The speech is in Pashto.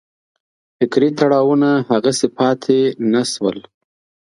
فکري تړاوونه هغسې پاتې نه شول.